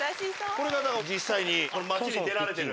これがだから実際に街に出られてる。